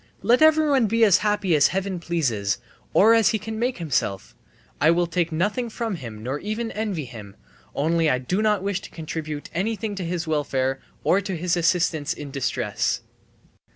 Let everyone be as happy as Heaven pleases, or as he can make himself; I will take nothing from him nor even envy him, only I do not wish to contribute anything to his welfare or to his assistance in distress!"